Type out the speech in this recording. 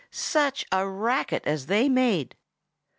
Such a racket as they made!